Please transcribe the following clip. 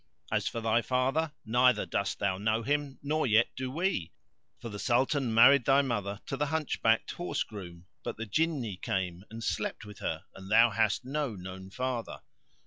As for thy father, neither dost thou know him nor yet do we; for the Sultan married thy mother to the hunchbacked horse groom; but the Jinni came and slept with her and thou hast no known father.